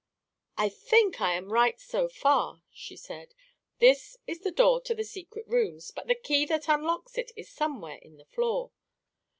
"I think I am right, so far," she said. "This is the door to the secret rooms, but the key that unlocks it is somewhere in the floor.